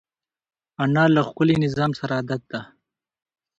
انا له ښکلي نظم سره عادت ده